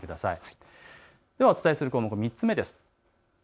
お伝えする項目、３つ目です。